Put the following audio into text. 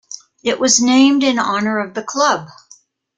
It was named in honor of the club.